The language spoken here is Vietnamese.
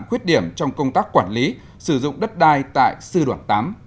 khuyết điểm trong công tác quản lý sử dụng đất đai tại sư đoàn tám